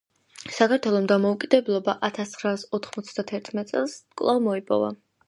საქართველომ დამოუკიდებლობა ათასცხრაასოთხმოცდათერთმეტი წელს კვლავ მოიპოვა.